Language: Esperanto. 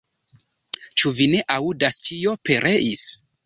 Ĉu vi ne aŭdas, ĉio pereis!